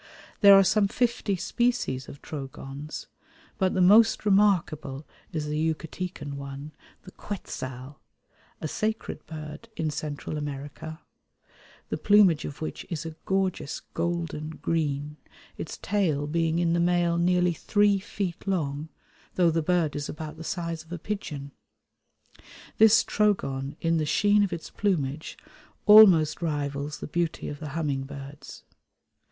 There are some fifty species of Trogons, but the most remarkable is the Yucatecan one, the Quetzal, a sacred bird in Central America, the plumage of which is a gorgeous golden green, its tail being in the male nearly three feet long, though the bird is about the size of a pigeon. This Trogon in the sheen of its plumage almost rivals the beauty of the humming birds.